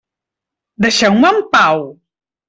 Deixeu-me en pau!